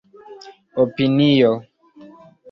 opinio